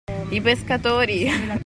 I pescatori!